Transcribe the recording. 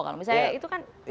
kalau misalnya itu kan masuk akal